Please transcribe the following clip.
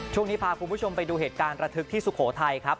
ช่วงนี้พาคุณผู้ชมไปดูเหตุการณ์ระทึกที่สุโขทัยครับ